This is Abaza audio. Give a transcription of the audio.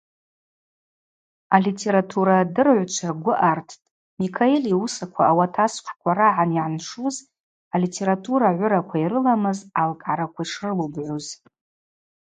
Алитературадырыгӏвчва гвы арттӏ Микаэль йуысаква ауат асквшква рагӏан йгӏаншуз алитература гӏвыраква йрыламыз алкӏгӏараква шрылубгӏуз.